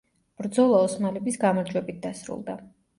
ბრძოლა ოსმალების გამარჯვებით დასრულდა.